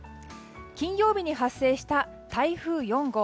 金曜日に発生した台風４号。